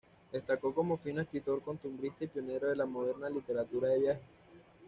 Destacó como fino escritor costumbrista y pionero de la moderna literatura de viajes.